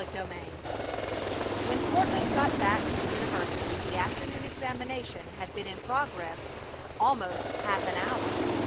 CHAPTER IX When Courtland got back to the university the afternoon examination had been in progress almost half an hour.